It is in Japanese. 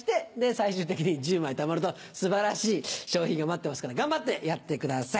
最終的に１０枚たまると素晴らしい賞品が待ってますから頑張ってやってください。